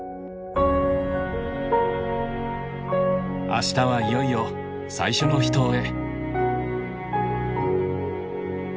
明日はいよいよ最初の秘湯へ。